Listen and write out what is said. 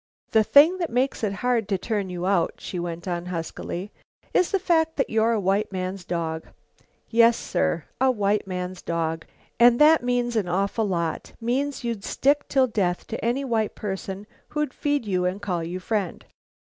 "The thing that makes it hard to turn you out," she went on huskily, "is the fact that you're a white man's dog. Yes, sir! a white man's dog. And that means an awful lot; means you'd stick till death to any white person who'd feed you and call you friend.